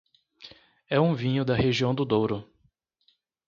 É um vinho da região do Douro.